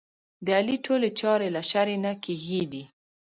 د علي ټولې چارې له شرعې نه کېږي دي.